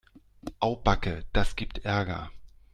Au backe, das gibt Ärger.